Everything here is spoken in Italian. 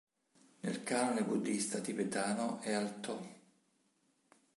Nel Canone buddhista tibetano è al Toh.